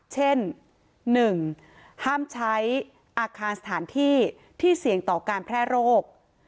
เช่น๑ห้ามใช้อาคารสถานที่ที่เสี่ยงต่อการแพร่โรค